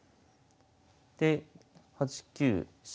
で８九飛車